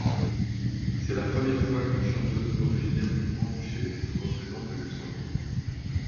C'est la première fois qu'une chanteuse originaire du Grand-Duché représente le Luxembourg.